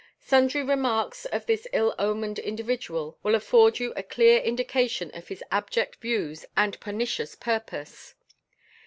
"Sundry remarks of this ill omened individual will afford you a clear indication of his abject views and pernicious purpose.